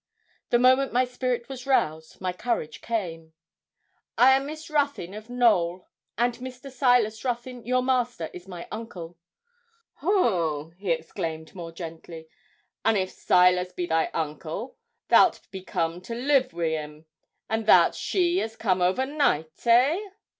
The moment my spirit was roused, my courage came. 'I am Miss Ruthyn of Knowl, and Mr. Silas Ruthyn, your master, is my uncle.' 'Hoo!' he exclaimed more gently, 'an' if Silas be thy uncle thou'lt be come to live wi' him, and thou'rt she as come overnight eh?'